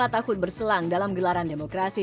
lima tahun berselang dalam gelaran demokrasi